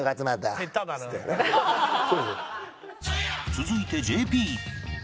続いて ＪＰ